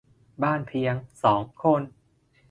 บ้านเพียง สอง คน